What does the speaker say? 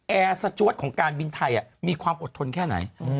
แอร์สจวดของการบินไทยมีความอดทนแค่ไหน